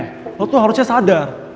eh lo tuh harusnya sadar